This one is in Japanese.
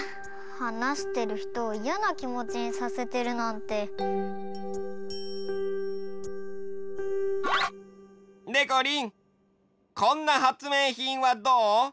話してるひとをいやなきもちにさせてるなんて。でこりんこんな発明品はどう？